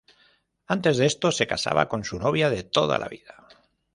Antes de esto se casaba con su novia de toda la vida.